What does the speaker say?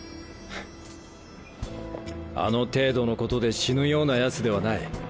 あの程度のことで死ぬようなヤツではない。